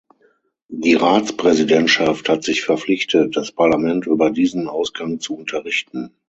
Die Ratspräsidentschaft hat sich verpflichtet, das Parlament über diesen Ausgang zu unterrichten.